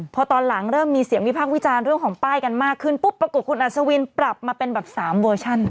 พอตอนหลังเริ่มมีเสียงวิพากษ์วิจารณ์เรื่องของป้ายกันมากขึ้นปุ๊บปรากฏคุณอัศวินปรับมาเป็นแบบ๓เวอร์ชัน